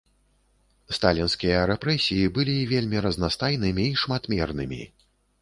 Сталінскія рэпрэсіі былі вельмі разнастайнымі і шматмернымі.